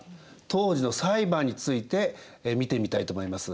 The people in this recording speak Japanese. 当時の裁判について見てみたいと思います。